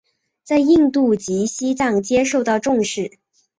在印度及西藏皆受到重视。